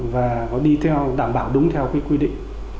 và có đi theo đảm bảo đúng theo cái quy định